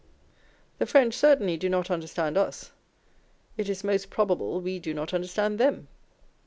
The French certainly do not understand us : it is most probable we do not understand them.